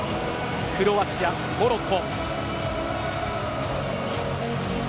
クロアチア、モロッコ。